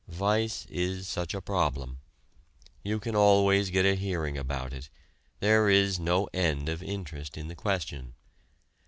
Vice is such a problem. You can always get a hearing about it; there is no end of interest in the question.